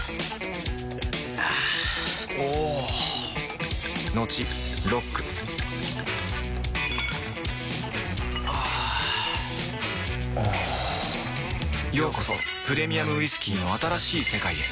あぁおぉトクトクあぁおぉようこそプレミアムウイスキーの新しい世界へ